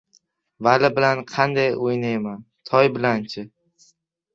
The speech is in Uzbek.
Vali bilan qanday o‘ynayman? Toy bilanchi?